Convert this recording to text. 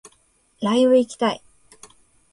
ライブ行きたい